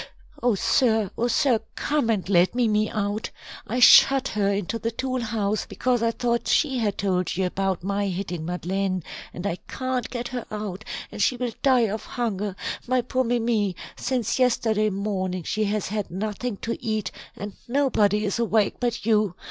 "Oh, sir, oh, sir, come and let Mimi out. I shut her into the tool house, because I thought she had told you about my hitting Madeleine, and I can't get her out, and she will die of hunger my poor Mimi since yesterday morning she has had nothing to eat, and nobody is awake but you.